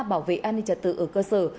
bảo vệ an ninh trật tự ở cơ sở